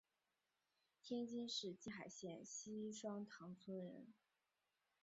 天津市静海县西双塘村人。